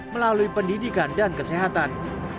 melalui pendidikan dan kesehatan